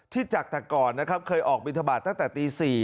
จากแต่ก่อนนะครับเคยออกบินทบาทตั้งแต่ตี๔